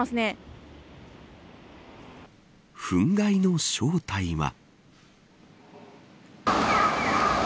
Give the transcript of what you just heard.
ふん害の正体は。